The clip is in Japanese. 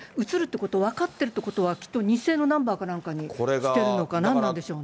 こと、分かってるということは、きっと偽のナンバーかなんかにしてるのか、何なんでしょうね。